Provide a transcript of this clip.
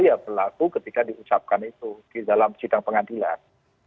itu berlaku ketika diusapkan itu di dalam sidang pengadilan